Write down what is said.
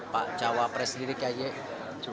pak cawa pres sendiri kayaknya